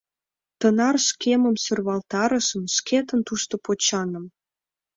Тынар шкемым сӧрвалтарышым, шкетын тушто почаҥым.